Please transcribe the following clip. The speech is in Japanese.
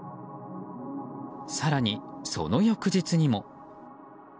更にその翌日にも。